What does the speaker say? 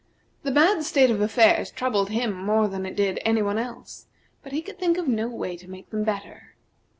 The bad state of affairs troubled him more than it did any one else, but he could think of no way to make them better.